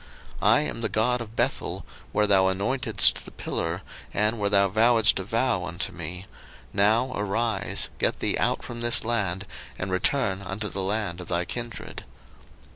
01:031:013 I am the God of Bethel, where thou anointedst the pillar, and where thou vowedst a vow unto me: now arise, get thee out from this land, and return unto the land of thy kindred.